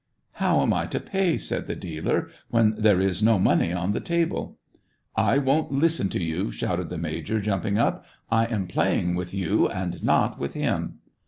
How am I to pay," said the dealer, " when there is no money on the table .'*"" I won't listen to you !" shouted the major, jumping up, " I am playing with you, but not with him."